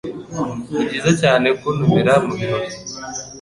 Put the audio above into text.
Nibyiza cyane kuntumira mubirori.